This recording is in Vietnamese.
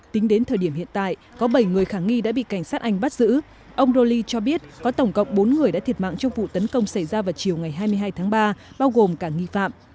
tính đến thời điểm hiện tại có bảy người khả nghi đã bị cảnh sát anh bắt giữ ông rolli cho biết có tổng cộng bốn người đã thiệt mạng trong vụ tấn công xảy ra vào chiều ngày hai mươi hai tháng ba bao gồm cả nghi phạm